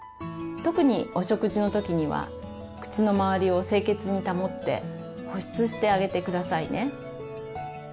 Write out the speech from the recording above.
特にお食事の時には口の周りを清潔に保って保湿してあげてくださいね。